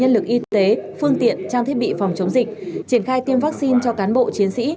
y tế phương tiện trang thiết bị phòng chống dịch triển khai tiêm vắc xin cho cán bộ chiến sĩ